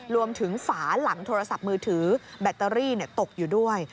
ฝาหลังโทรศัพท์มือถือแบตเตอรี่ตกอยู่ด้วย